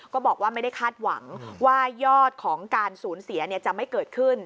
ก็บอกว่าไม่ได้คาดหวังว่ายอดของการสูญเสียจะไม่เกิดขึ้น